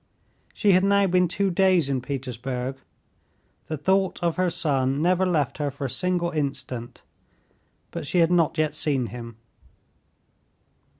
She had now been two days in Petersburg. The thought of her son never left her for a single instant, but she had not yet seen him.